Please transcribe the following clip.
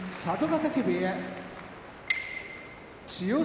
嶽部屋千代翔